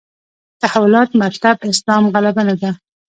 تحولاتو مطلب اسلام غلبه ده.